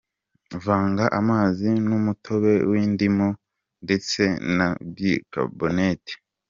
Vanga amazi n’umutobe w’indimu ndetse na bicarbonate